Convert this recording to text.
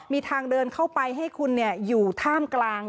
มีทางเดินเข้าไปให้คุณอยู่ท่ามกลาง